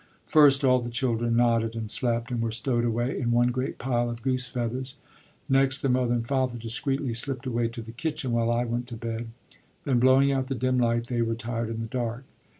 First, all the children nodded and slept, and were stowed away in one great pile of goose feathers; next, the mother and the father discreetly slipped away to the kitchen while I went to bed; then, blowing out the dim light, they retired in the dark.